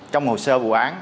trong hồ sơ vụ án